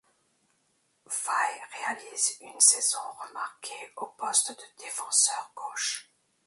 Faye réalise une saison remarquée au poste de défenseur gauche.